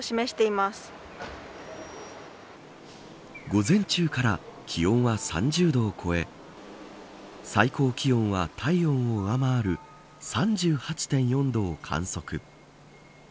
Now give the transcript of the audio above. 午前中から気温は３０度を超え最高気温は体温を上回る３８．４度を観測。